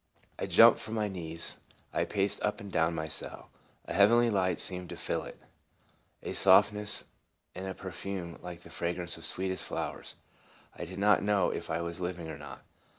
I jumped from my knees; I paced up and down my cell. A heavenly light seemed to fill it ; a softness and a perfume like the fra grance of sweetest flowers. I did not know if I was living or not.